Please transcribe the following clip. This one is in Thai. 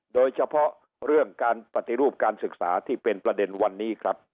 โดยเฉพาะเรื่องการปฏิรูปการศึกษาที่เป็นประเด็นวันนี้ครับ